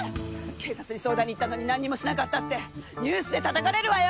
警察に相談に行ったのに何にもしなかったってニュースでたたかれるわよ！